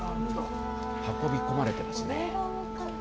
運び込まれていますね。